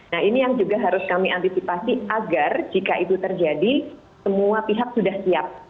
nah ini yang juga harus kami antisipasi agar jika itu terjadi semua pihak sudah siap